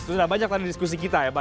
sudah banyak tadi diskusi kita ya pak